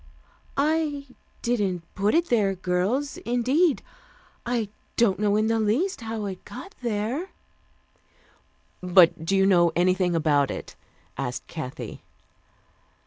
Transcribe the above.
"I didn't put it there, girls, indeed. I don't know in the least how it got there " "But do you know anything about it?" asked Kathy.